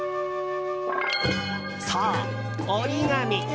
そう、折り紙！